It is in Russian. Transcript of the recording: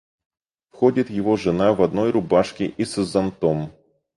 Входит его жена в одной рубашке и с зонтом.